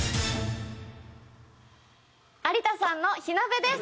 有田さんの火鍋です！